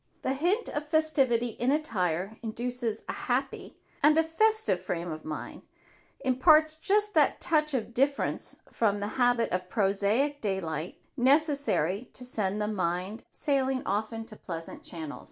The hint of festivity in attire induces a happy and a festive frame of mind, imparts just that touch of difference from the habit of prosaic daylight necessary to send the mind sailing off into pleasant channels.